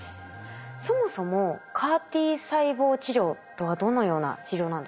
そもそもＣＡＲ−Ｔ細胞治療とはどのような治療なんですか？